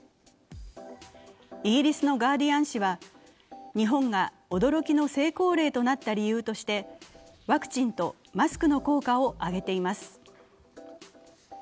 イギリスの「ガーディアン」紙は、日本が驚きの成功例となった理由として、ワクチンとマスクの効果を挙げています。